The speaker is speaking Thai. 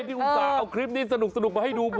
อุตส่าห์เอาคลิปนี้สนุกมาให้ดู